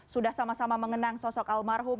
sudah sama sama mengenang sosok almarhum